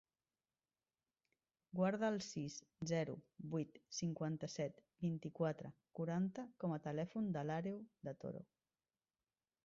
Guarda el sis, zero, vuit, cinquanta-set, vint-i-quatre, quaranta com a telèfon de l'Àreu De Toro.